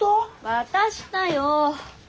渡したよ！